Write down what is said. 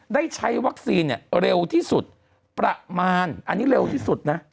ได้ใช้วัคซีนเร็วที่สุดประมาณอันนี้เร็วที่สุดนะ